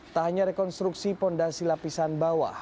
tak hanya rekonstruksi fondasi lapisan bawah